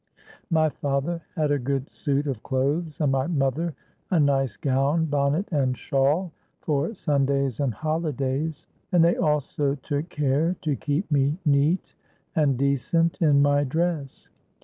My father had a good suit of clothes, and my mother a nice gown, bonnet, and shawl, for Sundays and holidays; and they also took care to keep me neat and decent in my dress.